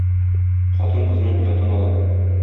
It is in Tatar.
Хатын-кызның оятын алам.